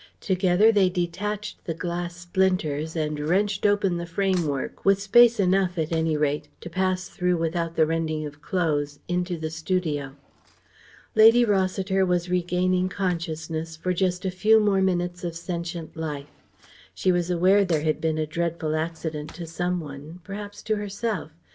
Together they detached the glass splinters and wrenched open the framework, with space enough, at any rate, to pass through without the rending of clothes into the studio. Linda Rossiter was regaining consciousness for just a few more minutes of sentient life. She was aware there had been a dreadful accident to some one; perhaps to herself.